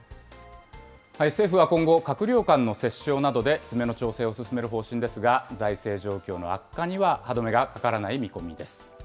政府は今後、閣僚間の折衝などで詰めの調整を進める方針ですが、財政状況の悪化には歯止めがかからない見込みです。